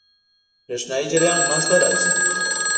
برېښنايي جریان منځ ته راځي.